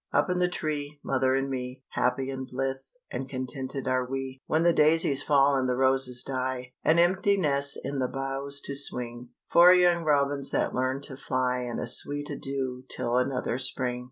Up in the tree, mother and me, Happy and blithe and contented are we. When the daisies fall and the roses die, An empty nest in the boughs to swing Four young robins that learn to fly And a sweet adieu till another spring.